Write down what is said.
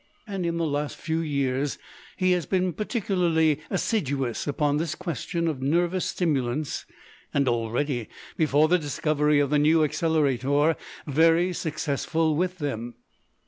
And in the last few years he has been particularly assiduous upon this question of nervous stimulants, and already, before the discovery of the New Accelerator, very successful with them.